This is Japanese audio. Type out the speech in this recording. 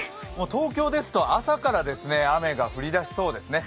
東京ですと、朝から雨が降りだしそうですね。